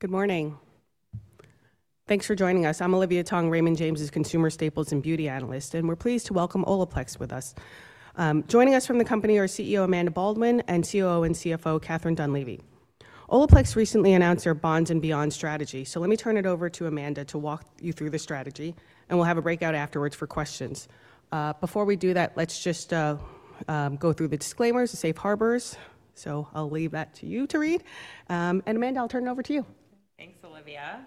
Good morning. Thanks for joining us. I'm Olivia Tong, Raymond James's Consumer Staples and Beauty Analyst, and we're pleased to welcome Olaplex with us. Joining us from the company are CEO Amanda Baldwin and COO and CFO Catherine Dunleavy. Olaplex recently announced their Bonds and Beyond strategy, so let me turn it over to Amanda to walk you through the strategy, and we'll have a breakout afterwards for questions. Before we do that, let's just go through the disclaimers and safe harbors, so I'll leave that to you to read. Amanda, I'll turn it over to you. Thanks, Olivia.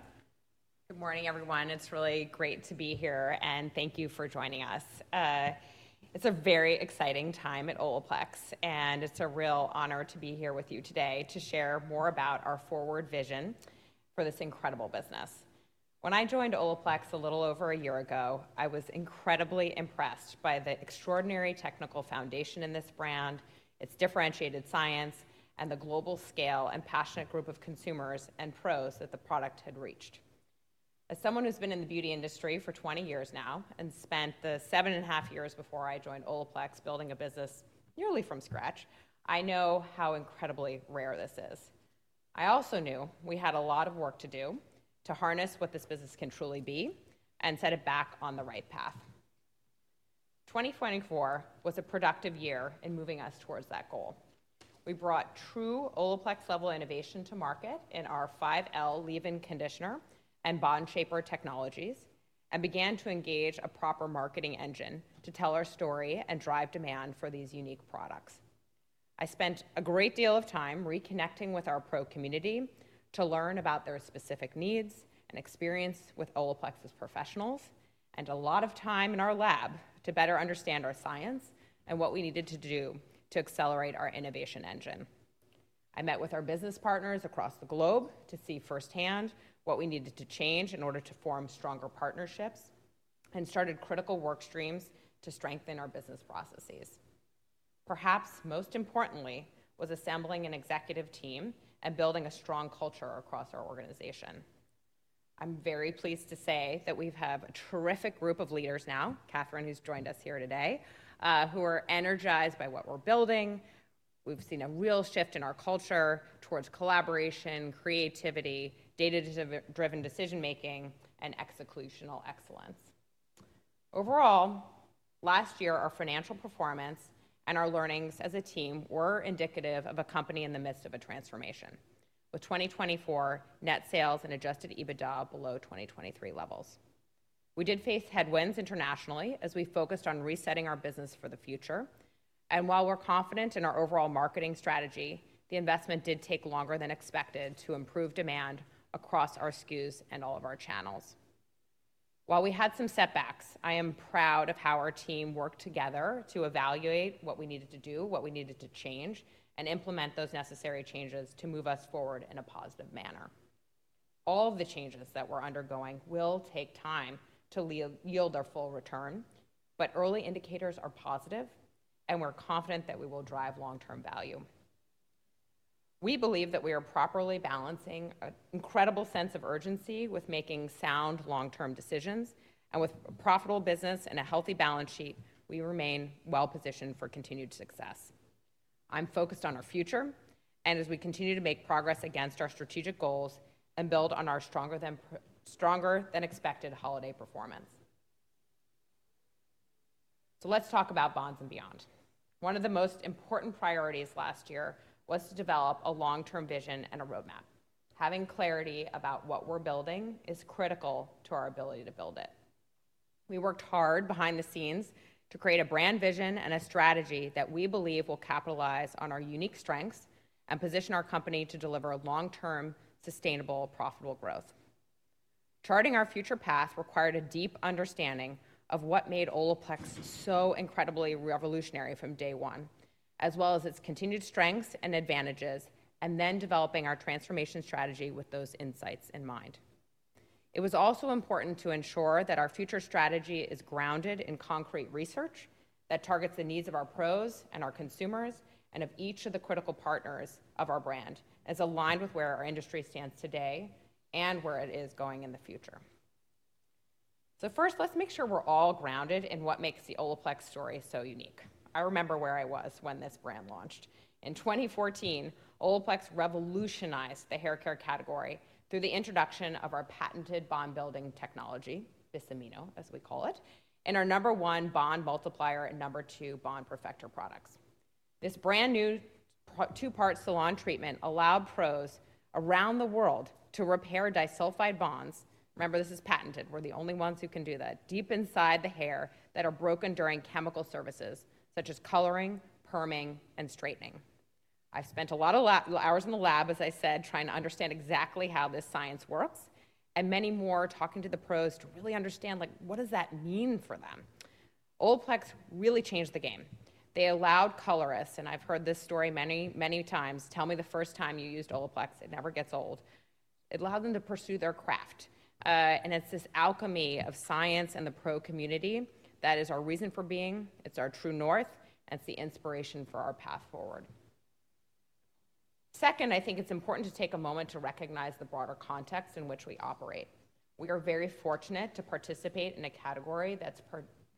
Good morning, everyone. It's really great to be here, and thank you for joining us. It's a very exciting time at Olaplex, and it's a real honor to be here with you today to share more about our forward vision for this incredible business. When I joined Olaplex a little over a year ago, I was incredibly impressed by the extraordinary technical foundation in this brand, its differentiated science, and the global scale and passionate group of consumers and pros that the product had reached. As someone who's been in the beauty industry for 20 years now and spent the seven and a half years before I joined Olaplex building a business nearly from scratch, I know how incredibly rare this is. I also knew we had a lot of work to do to harness what this business can truly be and set it back on the right path. 2024 was a productive year in moving us towards that goal. We brought true Olaplex-level innovation to market in our No. 5 Leave-In Conditioner and Bond Shaper technologies and began to engage a proper marketing engine to tell our story and drive demand for these unique products. I spent a great deal of time reconnecting with our pro community to learn about their specific needs and experience with Olaplex's professionals, and a lot of time in our lab to better understand our science and what we needed to do to accelerate our innovation engine. I met with our business partners across the globe to see firsthand what we needed to change in order to form stronger partnerships and started critical work streams to strengthen our business processes. Perhaps most importantly was assembling an executive team and building a strong culture across our organization. I'm very pleased to say that we have a terrific group of leaders now, Catherine, who's joined us here today, who are energized by what we're building. We've seen a real shift in our culture towards collaboration, creativity, data-driven decision-making, and executional excellence. Overall, last year, our financial performance and our learnings as a team were indicative of a company in the midst of a transformation, with 2024 net sales and adjusted EBITDA below 2023 levels. We did face headwinds internationally as we focused on resetting our business for the future, and while we're confident in our overall marketing strategy, the investment did take longer than expected to improve demand across our SKUs and all of our channels. While we had some setbacks, I am proud of how our team worked together to evaluate what we needed to do, what we needed to change, and implement those necessary changes to move us forward in a positive manner. All of the changes that we're undergoing will take time to yield our full return, but early indicators are positive, and we're confident that we will drive long-term value. We believe that we are properly balancing an incredible sense of urgency with making sound long-term decisions, and with a profitable business and a healthy balance sheet, we remain well-positioned for continued success. I'm focused on our future, and as we continue to make progress against our strategic goals and build on our stronger and expected holiday performance. Let's talk about Bonds and Beyond. One of the most important priorities last year was to develop a long-term vision and a roadmap. Having clarity about what we're building is critical to our ability to build it. We worked hard behind the scenes to create a brand vision and a strategy that we believe will capitalize on our unique strengths and position our company to deliver long-term, sustainable, profitable growth. Charting our future path required a deep understanding of what made Olaplex so incredibly revolutionary from day one, as well as its continued strengths and advantages, and then developing our transformation strategy with those insights in mind. It was also important to ensure that our future strategy is grounded in concrete research that targets the needs of our pros and our consumers and of each of the critical partners of our brand, as aligned with where our industry stands today and where it is going in the future. First, let's make sure we're all grounded in what makes the Olaplex story so unique. I remember where I was when this brand launched. In 2014, Olaplex revolutionized the haircare category through the introduction of our patented bond-building technology, Bis-Amino, as we call it, and our N°.1 and N°.2 Bond Multiplier and number two Bond Perfector products. This brand new two-part salon treatment allowed pros around the world to repair disulfide bonds—remember, this is patented, we're the only ones who can do that—deep inside the hair that are broken during chemical services, such as coloring, perming, and straightening. I've spent a lot of hours in the lab, as I said, trying to understand exactly how this science works, and many more talking to the pros to really understand, like, what does that mean for them? Olaplex really changed the game. They allowed colorists, and I've heard this story many, many times, "Tell me the first time you used Olaplex. It never gets old." It allowed them to pursue their craft, and it's this alchemy of science and the pro community that is our reason for being. It's our true north, and it's the inspiration for our path forward. Second, I think it's important to take a moment to recognize the broader context in which we operate. We are very fortunate to participate in a category that's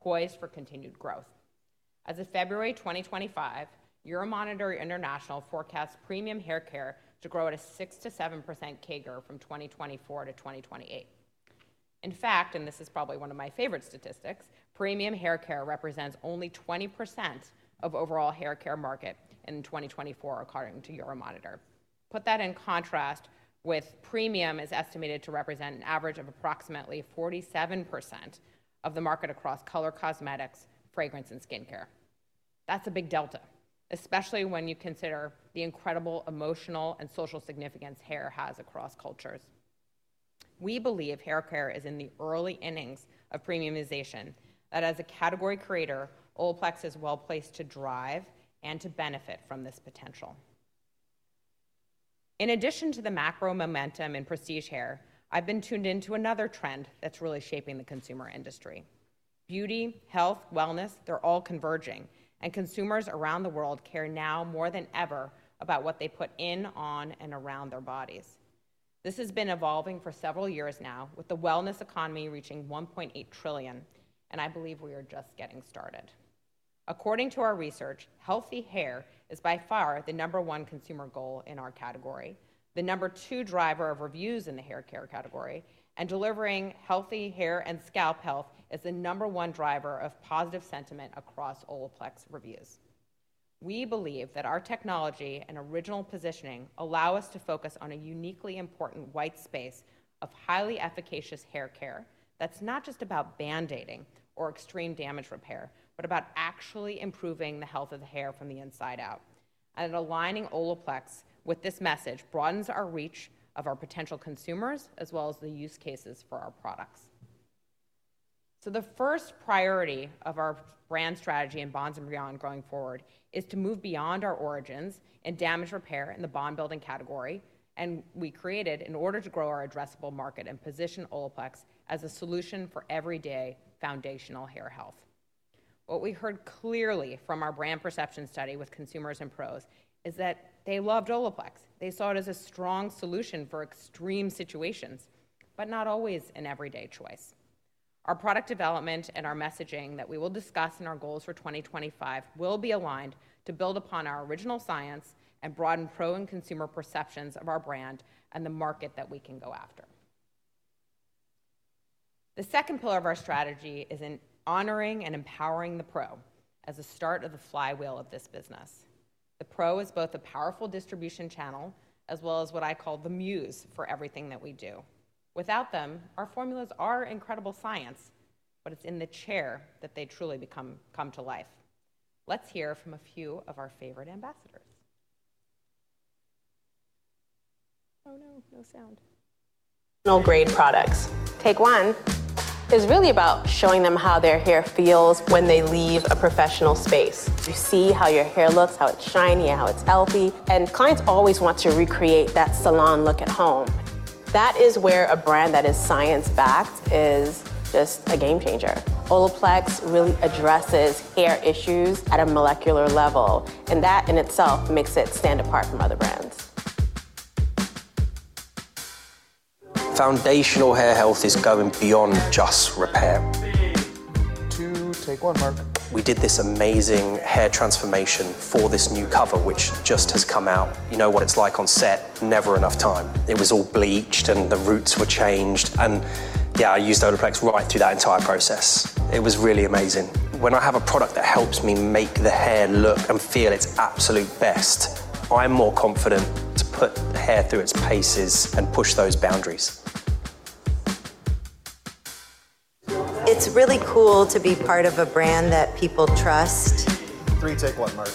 poised for continued growth. As of February 2025, Euromonitor International forecasts premium haircare to grow at a 6-7% CAGR from 2024 to 2028. In fact, and this is probably one of my favorite statistics, premium haircare represents only 20% of the overall haircare market in 2024, according to Euromonitor. Put that in contrast with premium being estimated to represent an average of approximately 47% of the market across color, cosmetics, fragrance, and skincare. That's a big delta, especially when you consider the incredible emotional and social significance hair has across cultures. We believe haircare is in the early innings of premiumization, that as a category creator, Olaplex is well placed to drive and to benefit from this potential. In addition to the macro momentum in prestige hair, I've been tuned into another trend that's really shaping the consumer industry. Beauty, health, wellness, they're all converging, and consumers around the world care now more than ever about what they put in, on, and around their bodies. This has been evolving for several years now, with the wellness economy reaching $1.8 trillion, and I believe we are just getting started. According to our research, healthy hair is by far the number one consumer goal in our category, the number two driver of reviews in the haircare category and delivering healthy hair and scalp health is the number one driver of positive sentiment across Olaplex reviews. We believe that our technology and original positioning allow us to focus on a uniquely important white space of highly efficacious haircare that's not just about band-aiding or extreme damage repair, but about actually improving the health of the hair from the inside out. Aligning Olaplex with this message broadens our reach of our potential consumers as well as the use cases for our products. The first priority of our brand strategy in Bonds and Beyond going forward is to move beyond our origins in damage repair in the bond-building category, and we created, in order to grow our addressable market and position Olaplex as a solution for everyday foundational hair health. What we heard clearly from our brand perception study with consumers and pros is that they loved Olaplex. They saw it as a strong solution for extreme situations, but not always an everyday choice. Our product development and our messaging that we will discuss in our goals for 2025 will be aligned to build upon our original science and broaden pro and consumer perceptions of our brand and the market that we can go after. The second pillar of our strategy is in honoring and empowering the pro as a start of the flywheel of this business. The pro is both a powerful distribution channel as well as what I call the muse for everything that we do. Without them, our formulas are incredible science, but it's in the chair that they truly come to life. Let's hear from a few of our favorite ambassadors. Oh, no, no sound. Great products. Take one is really about showing them how their hair feels when they leave a professional space. You see how your hair looks, how it's shiny, how it's healthy, and clients always want to recreate that salon look at home. That is where a brand that is science-backed is just a game changer. Olaplex really addresses hair issues at a molecular level, and that in itself makes it stand apart from other brands. Foundational hair health is going beyond just repair. Two, take one, Mark. We did this amazing hair transformation for this new cover, which just has come out. You know what it's like on set, never enough time. It was all bleached, and the roots were changed, and yeah, I used Olaplex right through that entire process. It was really amazing. When I have a product that helps me make the hair look and feel its absolute best, I'm more confident to put the hair through its paces and push those boundaries. It's really cool to be part of a brand that people trust. Three, take one, mark.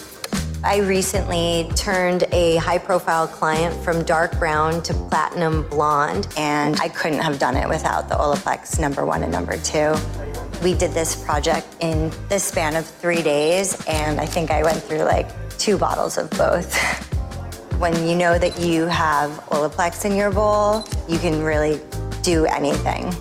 I recently turned a high-profile client from dark brown to platinum blonde, and I couldn't have done it without the Olaplex N°.1 and N°.2. We did this project in the span of three days, and I think I went through, like, two bottles of both. When you know that you have Olaplex in your bowl, you can really do anything.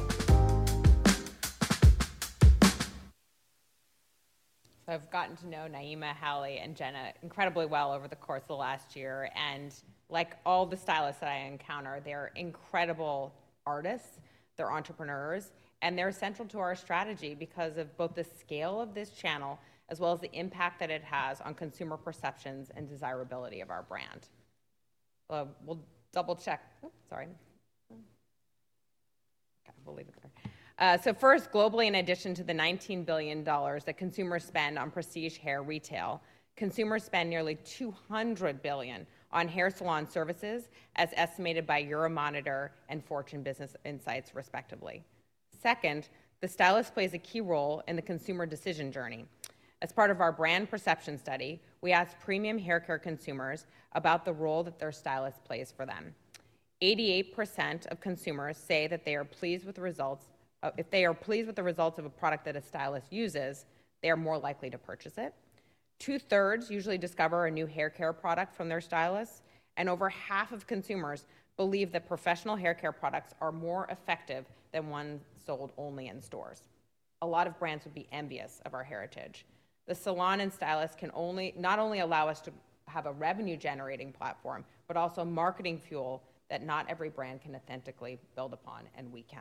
I've gotten to know Naeemah, Halley, and Jenna incredibly well over the course of the last year, and like all the stylists that I encounter, they are incredible artists. They're entrepreneurs, and they're central to our strategy because of both the scale of this channel as well as the impact that it has on consumer perceptions and desirability of our brand. We'll double-check. Oops, sorry. Okay, we'll leave it there. First, globally, in addition to the $19 billion that consumers spend on prestige hair retail, consumers spend nearly $200 billion on hair salon services, as estimated by Euromonitor International and Fortune Business Insights, respectively. Second, the stylist plays a key role in the consumer decision journey. As part of our brand perception study, we asked premium haircare consumers about the role that their stylist plays for them. 88% of consumers say that they are pleased with the results of a product that a stylist uses; they are more likely to purchase it. Two-thirds usually discover a new haircare product from their stylist, and over half of consumers believe that professional haircare products are more effective than one sold only in stores. A lot of brands would be envious of our heritage. The salon and stylist can not only allow us to have a revenue-generating platform, but also a marketing fuel that not every brand can authentically build upon, and we can.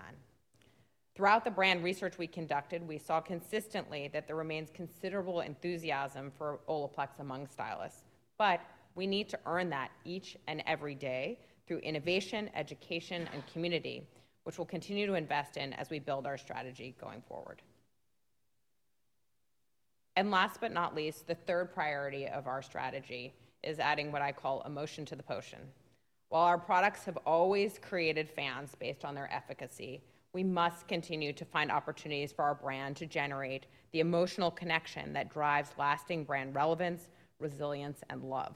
Throughout the brand research we conducted, we saw consistently that there remains considerable enthusiasm for Olaplex among stylists, but we need to earn that each and every day through innovation, education, and community, which we'll continue to invest in as we build our strategy going forward. Last but not least, the third priority of our strategy is adding what I call emotion to the potion. While our products have always created fans based on their efficacy, we must continue to find opportunities for our brand to generate the emotional connection that drives lasting brand relevance, resilience, and love.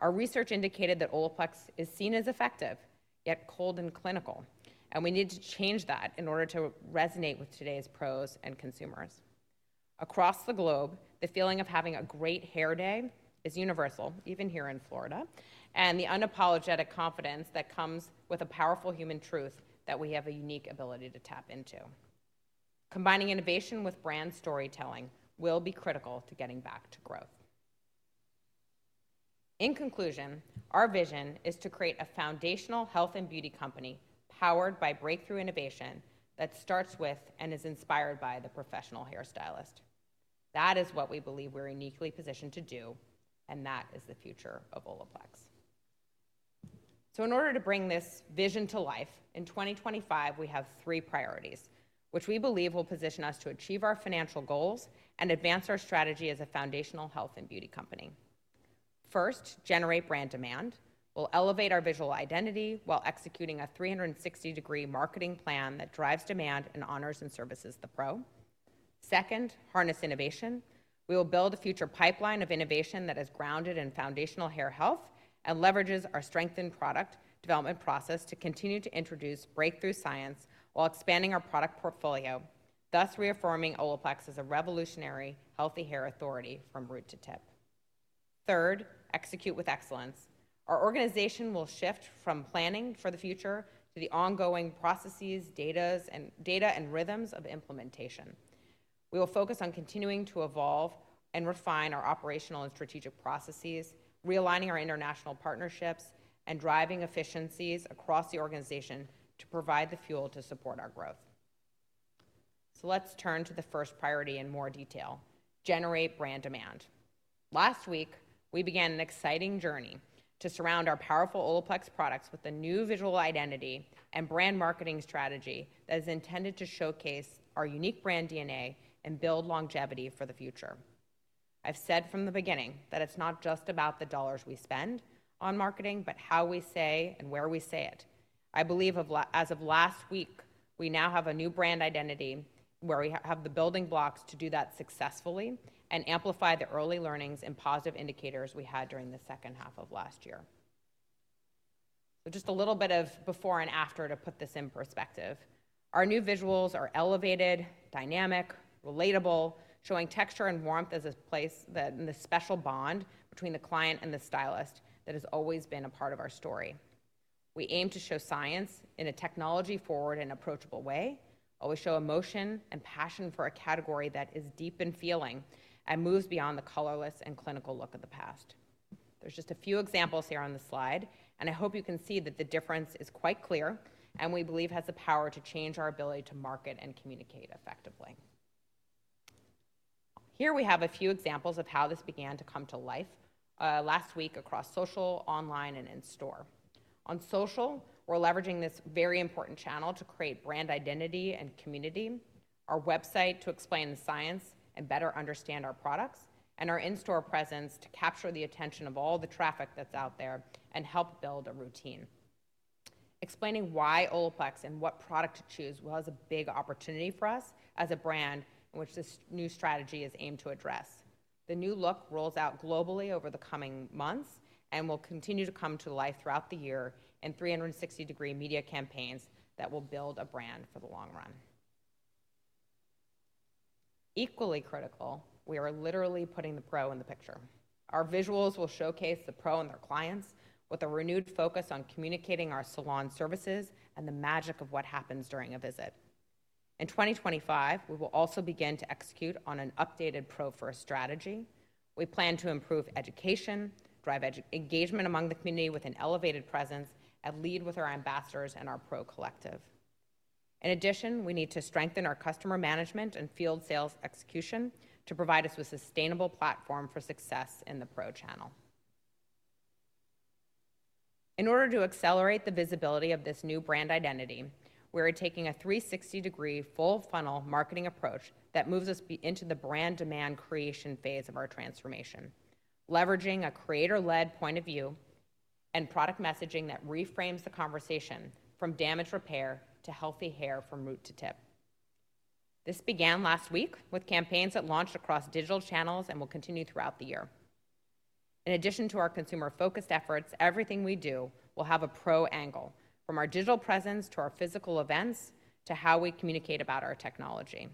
Our research indicated that Olaplex is seen as effective, yet cold and clinical, and we need to change that in order to resonate with today's pros and consumers. Across the globe, the feeling of having a great hair day is universal, even here in Florida, and the unapologetic confidence that comes with a powerful human truth that we have a unique ability to tap into. Combining innovation with brand storytelling will be critical to getting back to growth. In conclusion, our vision is to create a foundational health and beauty company powered by breakthrough innovation that starts with and is inspired by the professional hairstylist. That is what we believe we're uniquely positioned to do, and that is the future of Olaplex. In order to bring this vision to life, in 2025, we have three priorities, which we believe will position us to achieve our financial goals and advance our strategy as a foundational health and beauty company. First, generate brand demand. We'll elevate our visual identity while executing a 360-degree marketing plan that drives demand and honors and services the pro. Second, harness innovation. We will build a future pipeline of innovation that is grounded in foundational hair health and leverages our strengthened product development process to continue to introduce breakthrough science while expanding our product portfolio, thus reaffirming Olaplex as a revolutionary healthy hair authority from root to tip. Third, execute with excellence. Our organization will shift from planning for the future to the ongoing processes, data, and rhythms of implementation. We will focus on continuing to evolve and refine our operational and strategic processes, realigning our international partnerships and driving efficiencies across the organization to provide the fuel to support our growth. Let's turn to the first priority in more detail: generate brand demand. Last week, we began an exciting journey to surround our powerful Olaplex products with a new visual identity and brand marketing strategy that is intended to showcase our unique brand DNA and build longevity for the future. I've said from the beginning that it's not just about the dollars we spend on marketing, but how we say and where we say it. I believe as of last week, we now have a new brand identity where we have the building blocks to do that successfully and amplify the early learnings and positive indicators we had during the second half of last year. Just a little bit of before and after to put this in perspective. Our new visuals are elevated, dynamic, relatable, showing texture and warmth as a place in the special bond between the client and the stylist that has always been a part of our story. We aim to show science in a technology-forward and approachable way, always show emotion and passion for a category that is deep in feeling and moves beyond the colorless and clinical look of the past. There's just a few examples here on the slide, and I hope you can see that the difference is quite clear and we believe has the power to change our ability to market and communicate effectively. Here we have a few examples of how this began to come to life last week across social, online, and in store. On social, we're leveraging this very important channel to create brand identity and community, our website to explain the science and better understand our products, and our in-store presence to capture the attention of all the traffic that's out there and help build a routine. Explaining why Olaplex and what product to choose was a big opportunity for us as a brand in which this new strategy is aimed to address. The new look rolls out globally over the coming months and will continue to come to life throughout the year in 360-degree media campaigns that will build a brand for the long run. Equally critical, we are literally putting the pro in the picture. Our visuals will showcase the pro and their clients with a renewed focus on communicating our salon services and the magic of what happens during a visit. In 2025, we will also begin to execute on an updated pro-first strategy. We plan to improve education, drive engagement among the community with an elevated presence, and lead with our ambassadors and our pro collective. In addition, we need to strengthen our customer management and field sales execution to provide us with a sustainable platform for success in the pro channel. In order to accelerate the visibility of this new brand identity, we are taking a 360-degree full-funnel marketing approach that moves us into the brand demand creation phase of our transformation, leveraging a creator-led point of view and product messaging that reframes the conversation from damage repair to healthy hair from root to tip. This began last week with campaigns that launched across digital channels and will continue throughout the year. In addition to our consumer-focused efforts, everything we do will have a pro angle, from our digital presence to our physical events to how we communicate about our technology.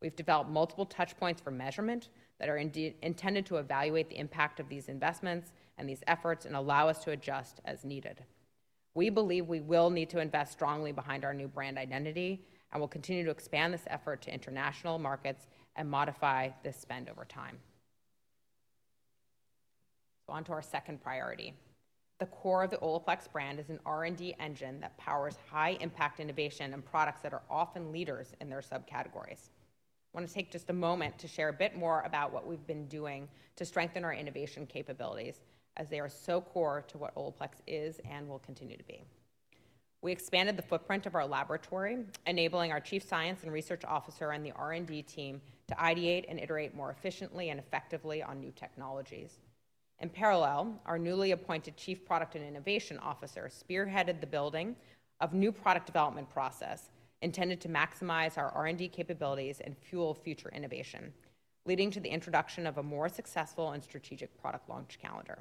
We've developed multiple touchpoints for measurement that are intended to evaluate the impact of these investments and these efforts and allow us to adjust as needed. We believe we will need to invest strongly behind our new brand identity and will continue to expand this effort to international markets and modify this spend over time. On to our second priority. The core of the Olaplex brand is an R&D engine that powers high-impact innovation and products that are often leaders in their subcategories. I want to take just a moment to share a bit more about what we've been doing to strengthen our innovation capabilities as they are so core to what Olaplex is and will continue to be. We expanded the footprint of our laboratory, enabling our Chief Science and Research Officer and the R&D team to ideate and iterate more efficiently and effectively on new technologies. In parallel, our newly appointed Chief Product and Innovation Officer spearheaded the building of a new product development process intended to maximize our R&D capabilities and fuel future innovation, leading to the introduction of a more successful and strategic product launch calendar.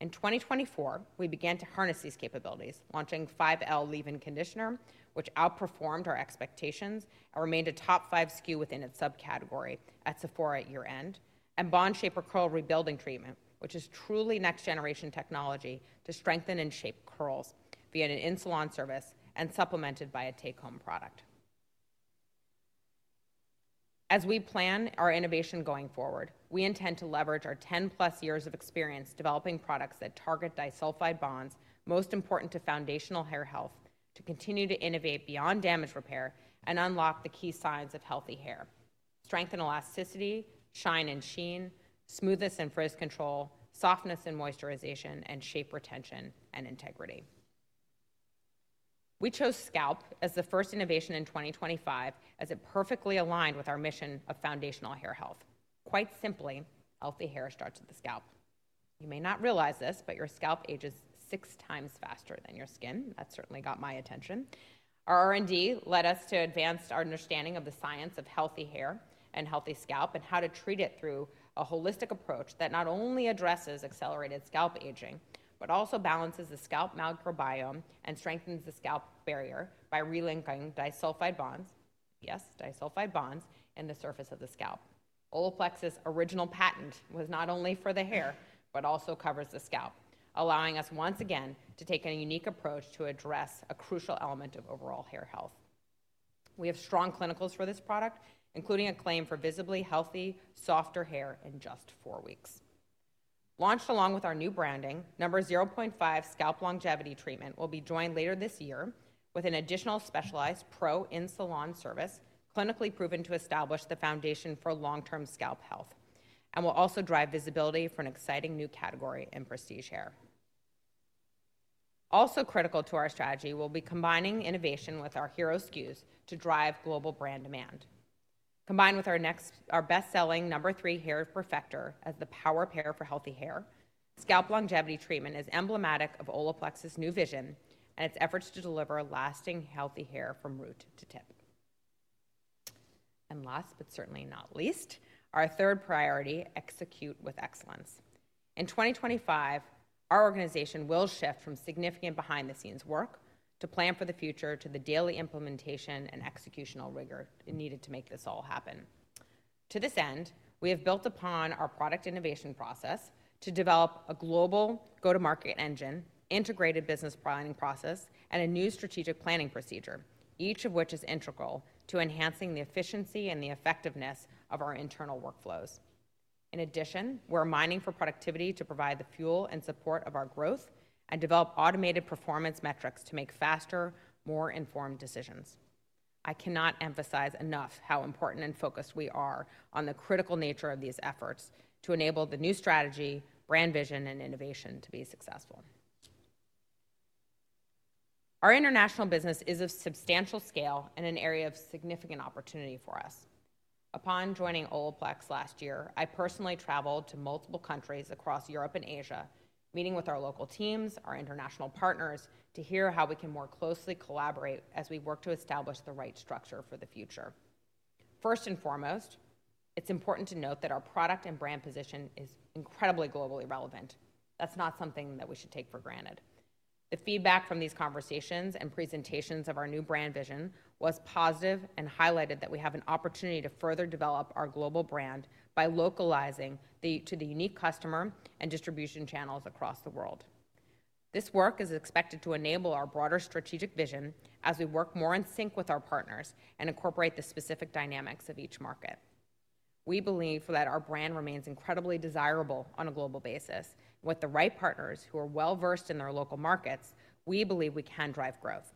In 2024, we began to harness these capabilities, launching No. 5 Leave-In Conditioner, which outperformed our expectations and remained a top five SKU within its subcategory at Sephora at year-end, and Bond Shaper Curl Rebuilding Treatment, which is truly next-generation technology to strengthen and shape curls via an in-salon service and supplemented by a take-home product. As we plan our innovation going forward, we intend to leverage our 10+ plus years of experience developing products that target disulfide bonds most important to foundational hair health to continue to innovate beyond damage repair and unlock the key signs of healthy hair: strength and elasticity, shine and sheen, smoothness and frizz control, softness and moisturization, and shape retention and integrity. We chose scalp as the first innovation in 2025 as it perfectly aligned with our mission of foundational hair health. Quite simply, healthy hair starts with the scalp. You may not realize this, but your scalp ages six times faster than your skin. That certainly got my attention. Our R&D led us to advance our understanding of the science of healthy hair and healthy scalp and how to treat it through a holistic approach that not only addresses accelerated scalp aging, but also balances the scalp microbiome and strengthens the scalp barrier by relinking disulfide bonds, yes, disulfide bonds in the surface of the scalp. Olaplex's original patent was not only for the hair, but also covers the scalp, allowing us once again to take a unique approach to address a crucial element of overall hair health. We have strong clinicals for this product, including a claim for visibly healthy, softer hair in just four weeks. Launched along with our new branding, No. 0.5 Scalp Longevity Treatment will be joined later this year with an additional specialized pro-in-salon service clinically proven to establish the foundation for long-term scalp health and will also drive visibility for an exciting new category in prestige hair. Also critical to our strategy will be combining innovation with our hero SKUs to drive global brand demand. Combined with our best-selling No. 3 Hair Perfector as the power pair for healthy hair, Scalp Longevity Treatment is emblematic of Olaplex's new vision and its efforts to deliver lasting healthy hair from root to tip. Last but certainly not least, our third priority, execute with excellence. In 2025, our organization will shift from significant behind-the-scenes work to plan for the future to the daily implementation and executional rigor needed to make this all happen. To this end, we have built upon our product innovation process to develop a global go-to-market engine, integrated business planning process, and a new strategic planning procedure, each of which is integral to enhancing the efficiency and the effectiveness of our internal workflows. In addition, we're mining for productivity to provide the fuel and support of our growth and develop automated performance metrics to make faster, more informed decisions. I cannot emphasize enough how important and focused we are on the critical nature of these efforts to enable the new strategy, brand vision, and innovation to be successful. Our international business is of substantial scale and an area of significant opportunity for us. Upon joining Olaplex last year, I personally traveled to multiple countries across Europe and Asia, meeting with our local teams, our international partners to hear how we can more closely collaborate as we work to establish the right structure for the future. First and foremost, it's important to note that our product and brand position is incredibly globally relevant. That's not something that we should take for granted. The feedback from these conversations and presentations of our new brand vision was positive and highlighted that we have an opportunity to further develop our global brand by localizing to the unique customer and distribution channels across the world. This work is expected to enable our broader strategic vision as we work more in sync with our partners and incorporate the specific dynamics of each market. We believe that our brand remains incredibly desirable on a global basis. With the right partners who are well-versed in their local markets, we believe we can drive growth.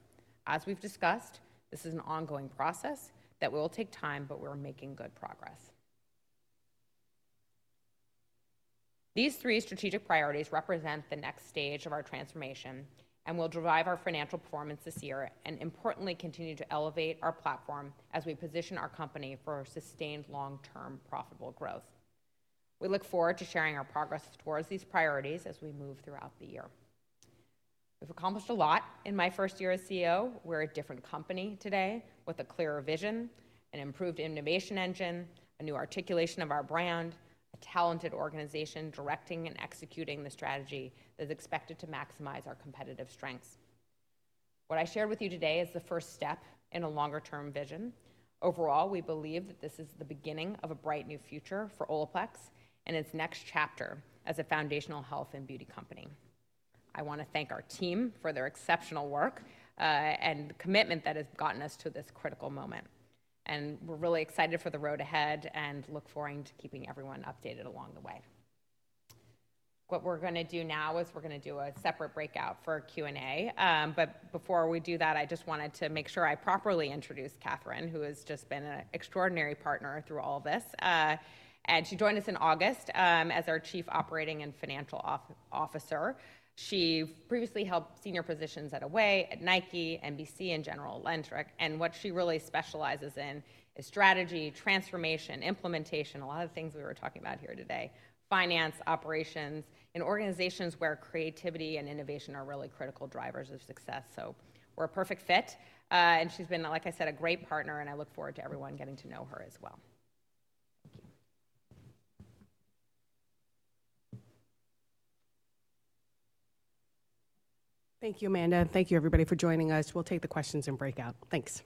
As we've discussed, this is an ongoing process that will take time, but we're making good progress. These three strategic priorities represent the next stage of our transformation and will drive our financial performance this year and importantly continue to elevate our platform as we position our company for sustained long-term profitable growth. We look forward to sharing our progress towards these priorities as we move throughout the year. We've accomplished a lot in my first year as CEO. We're a different company today with a clearer vision, an improved innovation engine, a new articulation of our brand, a talented organization directing and executing the strategy that's expected to maximize our competitive strengths. What I shared with you today is the first step in a longer-term vision. Overall, we believe that this is the beginning of a bright new future for Olaplex and its next chapter as a foundational health and beauty company. I want to thank our team for their exceptional work and the commitment that has gotten us to this critical moment. We are really excited for the road ahead and look forward to keeping everyone updated along the way. What we are going to do now is we are going to do a separate breakout for Q&A. Before we do that, I just wanted to make sure I properly introduce Catherine, who has just been an extraordinary partner through all of this. She joined us in August as our Chief Operating and Financial Officer. She previously held senior positions at Away, at Nike, NBC, and General Electric. What she really specializes in is strategy, transformation, implementation, a lot of the things we were talking about here today, finance, operations, and organizations where creativity and innovation are really critical drivers of success. We are a perfect fit. She has been, like I said, a great partner, and I look forward to everyone getting to know her as well. Thank you. Thank you, Amanda. Thank you, everybody, for joining us. We will take the questions in breakout. Thanks.